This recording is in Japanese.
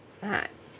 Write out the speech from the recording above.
はい。